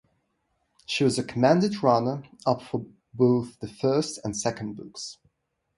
She was a commended runner up for both the first and second books.